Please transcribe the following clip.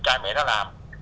cha mẹ nó làm